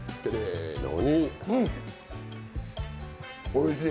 おいしい。